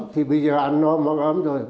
thì bây giờ ăn no mặc ấm rồi